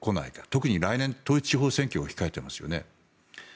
特に来年、統一地方選挙が控えていますよね。